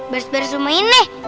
baris baris rumah ini